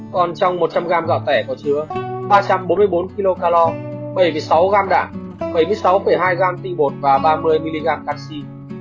còn trong một trăm linh g gạo nếp có chứa ba trăm bốn mươi bốn kcal bảy sáu g đạm bảy mươi sáu hai g tinh bột và ba mươi mg caxi